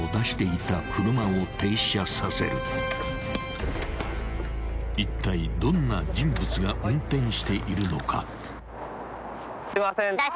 ［いったいどんな人物が運転しているのか］